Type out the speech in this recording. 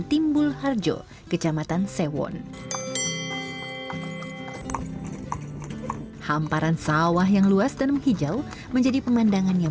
timbul harjo kecamatan sewon hamparan sawah yang luas dan menghijau menjadi pemandangan yang